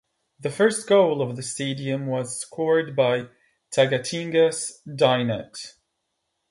The first goal of the stadium was scored by Taguatinga's Dinate.